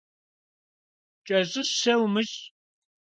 Кӏэщӏыщэ умыщӏ.